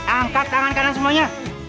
angkat tangan kanan semuanya